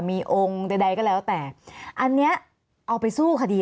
มีที่อ่าวงร์ใดก็แล้วแต่อันเนี้ยเอาไปสู้คดี